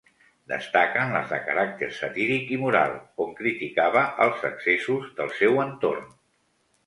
Destaquen les de caràcter satíric i moral, on criticava els excessos del seu entorn.